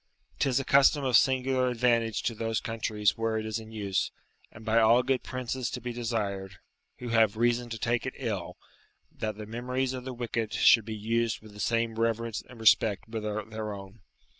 'Tis a custom of singular advantage to those countries where it is in use, and by all good princes to be desired, who have reason to take it ill, that the memories of the wicked should be used with the same reverence and respect with their own.